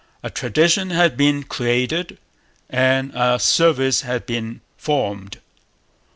A tradition had been created and a service had been formed.